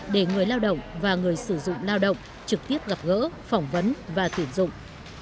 để người lao động và người sử dụng lao động trực tiếp gặp gỡ phỏng vấn và tuyển dụng